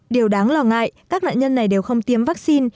điều đáng lo ngại các nạn nhân này đều không tiêm vaccine